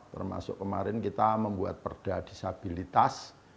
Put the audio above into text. termasuk kemarin kita membuat perda disabilitas